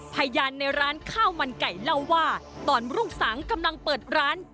พยานในร้านข้าวมันไก่เล่าว่าตอนรุ่งสางกำลังเปิดร้าน